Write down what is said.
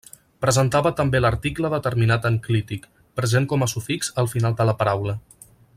Presentava també l'article determinat enclític, present com a sufix al final de la paraula.